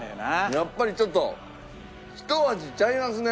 やっぱりちょっとひと味ちゃいますね。